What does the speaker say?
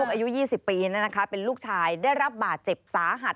อายุ๒๐ปีเป็นลูกชายได้รับบาดเจ็บสาหัส